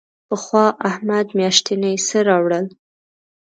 پخوا احمد میاشتنی څه راوړل.